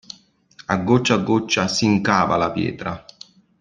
A goccia a goccia s'incava la pietra.